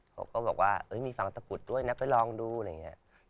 เขาก็บอกว่ามีฝังตะกุดด้วยนะไปลองดูอะไรอย่างนี้